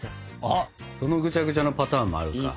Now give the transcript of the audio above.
あそのぐちゃぐちゃのパターンもあるか。